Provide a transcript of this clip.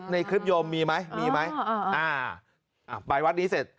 ในคลิปโยมมีไหมไปวัดนี้เสร็จ